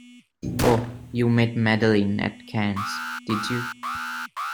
Oh, you met Madeline at Cannes, did you?